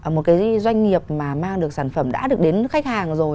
một cái doanh nghiệp mà mang được sản phẩm đã được đến khách hàng rồi